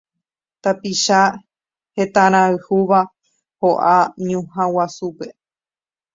Tapicha hetãrayhúva ho'a ñuhã guasúpe